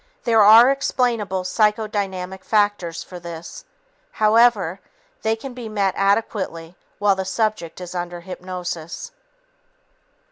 There are explainable psychodynamic factors for this. However, they can be met adequately while the subject is under hypnosis.